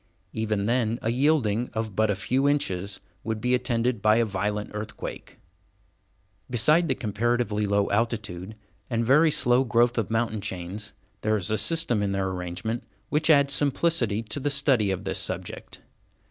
Even then a yielding of but a few inches would be attended by a violent earthquake. Beside the comparatively low altitude and very slow growth of mountain chains, there is a system in their arrangement which adds simplicity to the study of this subject.